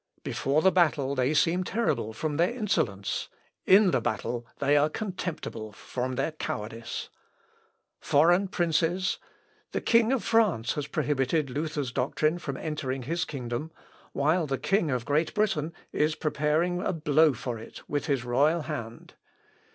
Before the battle they seem terrible from their insolence; in the battle they are contemptible from their cowardice. Foreign princes? The king of France has prohibited Luther's doctrine from entering his kingdom, while the king of Great Britain is preparing a blow for it with his royal hand.